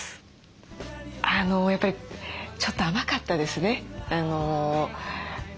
やっぱりちょっと甘かったですね。